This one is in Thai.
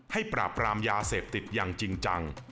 ปราบปรามยาเสพติดอย่างจริงจัง